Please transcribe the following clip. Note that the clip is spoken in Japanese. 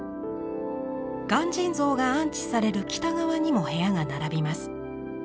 鑑真像が安置される北側にも部屋が並びます。